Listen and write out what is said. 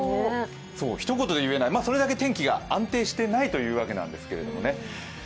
ひと言で言えない、それだけ天気が安定していないということなんですけれどもね。